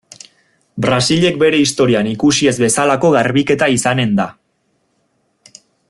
Brasilek bere historian ikusi ez bezalako garbiketa izanen da.